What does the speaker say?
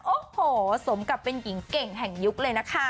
โอ้โหสมกับเป็นหญิงเก่งแห่งยุคเลยนะคะ